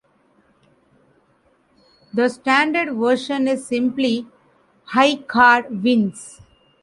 The standard version is simply high card wins.